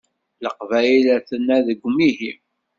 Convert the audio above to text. Leqbayel aten-a deg umihi.